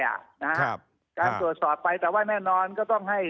การตรวจสอบไปแต่ว่าแน่นอนก็ต้องให้